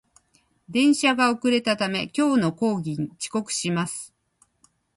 電車が遅れたため、今日の講義に遅刻します